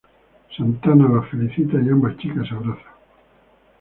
Santana la felicita y ambas chicas se abrazan.